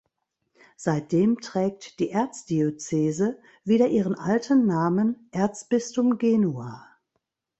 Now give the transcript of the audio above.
Seitdem trägt die Erzdiözese wieder ihren alten Namen Erzbistum Genua.